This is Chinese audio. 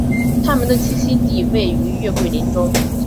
它们的栖息地位于月桂林中。